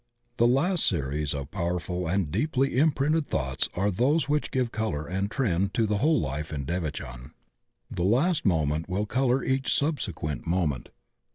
The last series of powerful and deeply imprinted thoughts are those which give color and trend to the whole life in devachan. The last moment will color each subsequent moment.